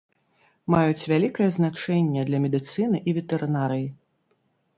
Маюць вялікае значэнне для медыцыны і ветэрынарыі.